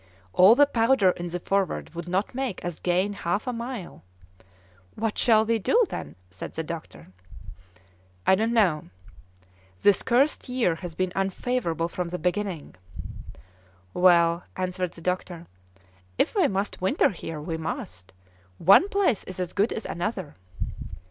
All the powder in the Forward would not make us gain half a mile!" "What shall we do, then?" said the doctor. "I don't know. This cursed year has been unfavourable from the beginning." "Well," answered the doctor, "if we must winter here, we must. One place is as good as another."